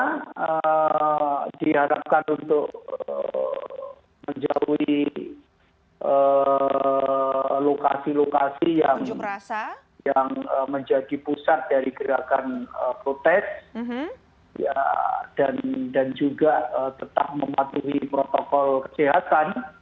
karena diharapkan untuk menjauhi lokasi lokasi yang menjadi pusat dari gerakan protes dan juga tetap mematuhi protokol kesehatan